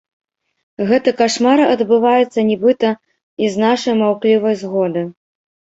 Гэты кашмар адбываецца нібыта і з нашай маўклівай згоды.